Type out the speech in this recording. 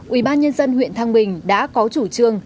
ủy ban nhân dân huyện thăng bình đã có chủ trương